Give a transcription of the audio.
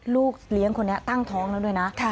ลูกเลี้ยงคนนี้ตั้งท้องแล้วด้วยนะ